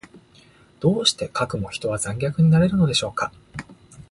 どうしてかくも人は残虐になれるのでしょうか。